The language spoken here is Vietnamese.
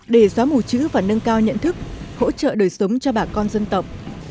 để gió mù trữ và nâng cao nhận thức hỗ trợ đời sống cho bà con dân tộc